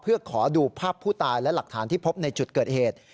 เพื่อขอดูภาพผู้ตายและหลักฐานที่พบในจุดเกิดเหตุ